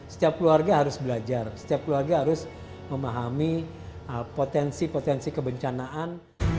setiap keluarga harus belajar setiap keluarga harus memahami potensi potensi kebencanaan